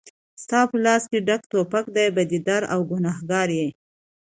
ستا په لاس کې ډک توپک دی بدي دار او ګنهګار یې